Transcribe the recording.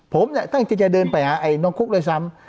ผมเนี้ยตั้งใจจะเดินไปหาไอ้น้องคุกเลยซ้ำอ่า